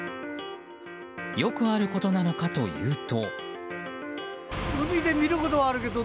よくあることなのかというと。